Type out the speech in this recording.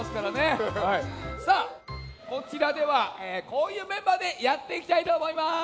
さあこちらではこういうメンバーでやっていきたいとおもいます！